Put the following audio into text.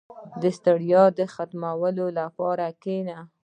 • د ستړیا ختمولو لپاره کښېنه.